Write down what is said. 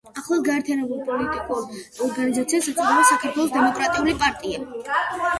ახლად გაერთიანებულ პოლიტიკურ ორგანიზაციას ეწოდა „საქართველოს დემოკრატიული პარტია“.